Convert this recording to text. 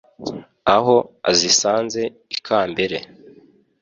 Aho azisanze ikambere